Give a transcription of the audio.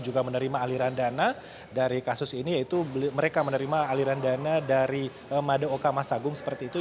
dan mereka menerima aliran dana dari kasus ini yaitu mereka menerima aliran dana dari mada okama sagung seperti itu